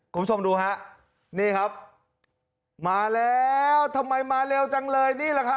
คุณผู้ชมดูฮะนี่ครับมาแล้วทำไมมาเร็วจังเลยนี่แหละครับ